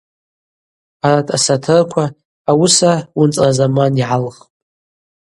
Арат асатырква ауыса Уынцӏразаман йгӏалхпӏ.